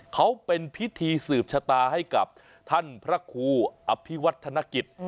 เขาเป็นพิธีสืบชะตาให้กับท่านพระครูอภิวัฒนกิจ